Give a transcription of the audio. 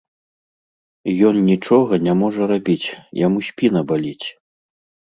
Ён нічога не можа рабіць, яму спіна баліць.